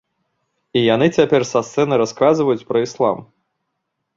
І яны цяпер са сцэны расказваюць пра іслам.